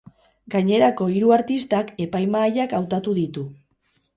Gainerako hiru artistak epaimahaiak hautatu ditu.